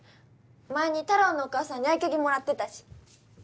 前にたろーのお母さんに合鍵もらってたし。